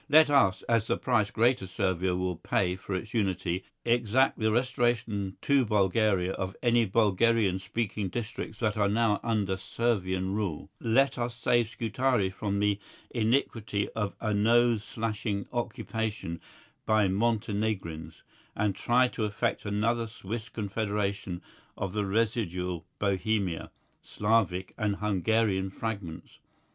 Let us, as the price greater Servia will pay for its unity, exact the restoration to Bulgaria of any Bulgarian speaking districts that are now under Servian rule; let us save Scutari from the iniquity of a nose slashing occupation by Montenegrins and try to effect another Swiss confederation of the residual Bohemian, Slavic and Hungarian fragments.